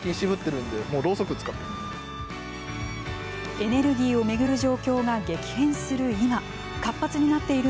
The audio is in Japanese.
エネルギーを巡る状況が激変する